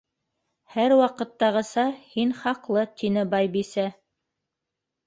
—Һәр ваҡыттағыса, һин хаҡлы, —тине Байбисә.